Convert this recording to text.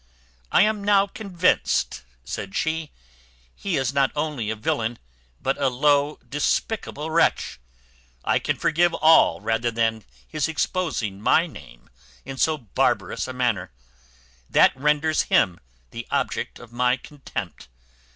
I am now convinced," said she, "he is not only a villain, but a low despicable wretch. I can forgive all rather than his exposing my name in so barbarous a manner. That renders him the object of my contempt.